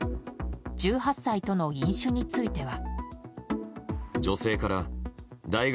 １８歳との飲酒については。